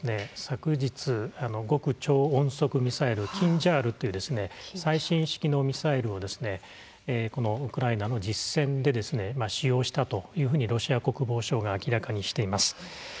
昨日、極超音速ミサイルキンジャールという最新式のミサイルをこのウクライナの実戦で使用したというふうにロシア国防省が明らかにしています。